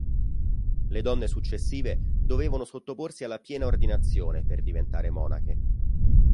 Le donne successive dovevano sottoporsi alla piena ordinazione per diventare monache.